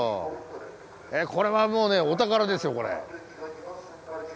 これはもうねお宝ですよこれ。